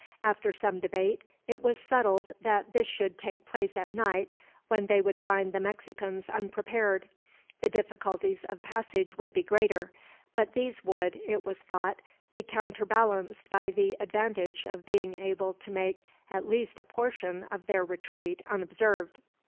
After some debate, it was settled that this should take place at night, when they would find the Mexicans unprepared. The difficulties of passage would be greater; but these would, it was thought, be counterbalanced by the advantage of being able to make at least a portion of their retreat unobserved.